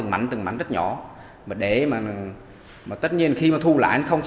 mấy giờ rồi biết không